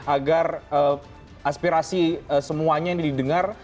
agar aspirasi semuanya ini didengar